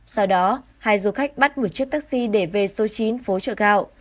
sau đó hai du khách bắt một chiếc taxi để về số chín phố trợ cạo